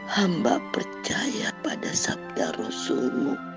hamba percaya pada sabda rasulmu